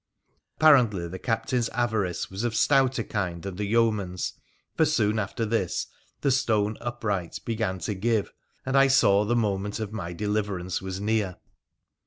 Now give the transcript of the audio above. Apparently the captain's avarice was of stouter kind than the yeoman's, for soon after this the stone upright began to give, and I saw the moment of my deliverance was near.